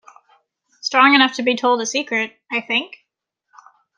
Strong enough to be told a secret, I think?